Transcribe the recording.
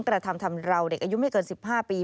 กระทำทำราวเด็กอายุไม่เกิน๑๕ปี